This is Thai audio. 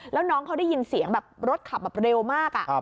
แล้วน้องเขาได้ยินเสียงแบบรถขับแบบเร็วมาก